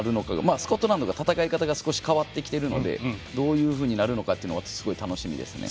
スコットランドの戦い方が少し変わってきているのでどうなるのかすごく楽しみですね。